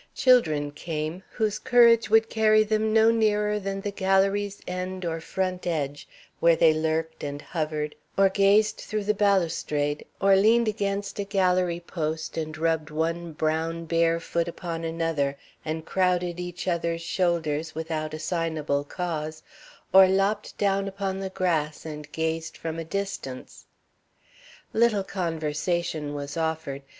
Children came, whose courage would carry them no nearer than the galérie's end or front edge, where they lurked and hovered, or gazed through the balustrade, or leaned against a galérie post and rubbed one brown bare foot upon another and crowded each other's shoulders without assignable cause, or lopped down upon the grass and gazed from a distance. Little conversation was offered.